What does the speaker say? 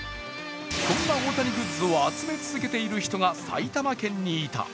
そんな大谷グッズを集め続けている人が埼玉県にいた。